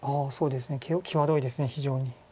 際どいです非常に。